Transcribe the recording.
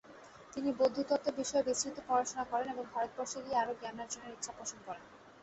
তিনি বৌদ্ধতত্ত্ব বিষয়ে বিস্তৃত পড়াশোনা করেন এবং ভারতবর্ষে গিয়ে অরো জ্ঞানার্জনের ইচ্ছা পোষণ করেন।